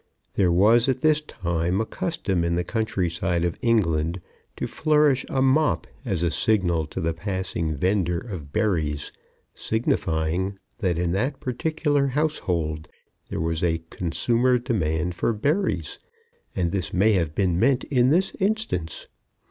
There was at this time a custom in the countryside of England to flourish a mop as a signal to the passing vender of berries, signifying that in that particular household there was a consumer demand for berries, and this may have been meant in this instance.